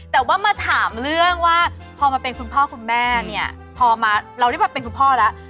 แต่ว่ามาถามเรื่องว่าพอมาเป็นคุณพ่อคุณแม่เนี่ยพอมาเราได้มาเป็นคุณพ่อแล้ว